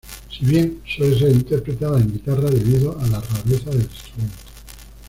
Si bien, suele ser interpretada en guitarra debido a la rareza del instrumento.